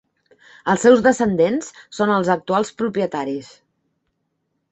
Els seus descendents són els actuals propietaris.